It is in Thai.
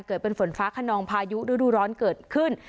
เกิดเป็นฝนฟ้าขนองพายุฤดูร้อนเกิดขึ้น